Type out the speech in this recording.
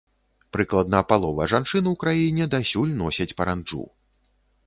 Прыкладна палова жанчын у краіне дасюль носяць паранджу.